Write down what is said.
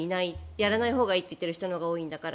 やらないほうがいいと言っている人のほうが多いんだから。